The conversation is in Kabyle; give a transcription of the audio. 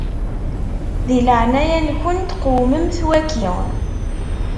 Di leɛnaya-nkent qewmemt waki.